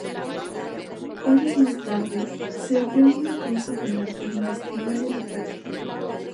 Horas más tarde, se abrió una causa penal para investigar el ataque.